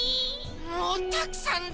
もうたくさんだ！